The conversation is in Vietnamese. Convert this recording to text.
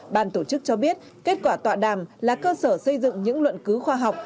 ban tổ chức cho biết kết quả tọa đàm là cơ sở xây dựng những luận cứu khoa học